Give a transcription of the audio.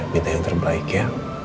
minta yang terbaik ya